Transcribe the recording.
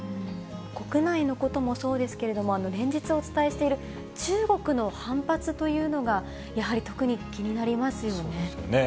国内のこともそうですけれども、連日お伝えしている、中国の反発というのが、やはり特に気にそうですよね。